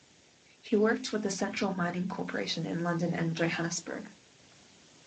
He worked with the Central Mining Corporation in London and Johannesburg.